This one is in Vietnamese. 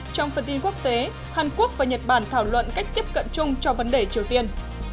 trong phần tin quốc tế hàn quốc và nhật bản thảo luận cách tiếp cận chung cho vấn đề triều tiên